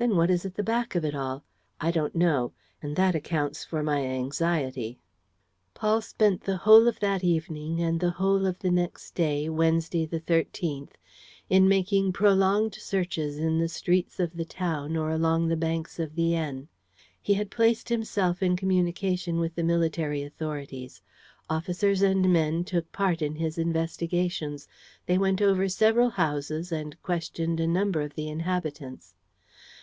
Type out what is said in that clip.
Then what is at the back of it all? I don't know; and that accounts for my anxiety." Paul spent the whole of that evening and the whole of the next day, Wednesday the 13th, in making prolonged searches in the streets of the town or along the banks of the Aisne. He had placed himself in communication with the military authorities. Officers and men took part in his investigations. They went over several houses and questioned a number of the inhabitants.